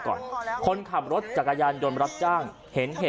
ก็แค่มีเรื่องเดียวให้มันพอแค่นี้เถอะ